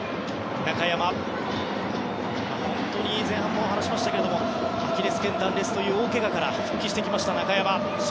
本当に前半も話しましたがアキレス腱断裂という大けがから復帰してきた中山。